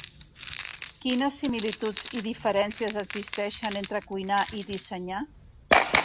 Quines similituds i diferències existeixen entre cuinar i dissenyar?